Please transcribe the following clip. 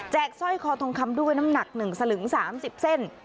สร้อยคอทองคำด้วยน้ำหนัก๑สลึง๓๐เส้น